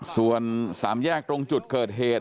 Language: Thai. ส่วนสามแยกตรงจุดเกิดเหตุ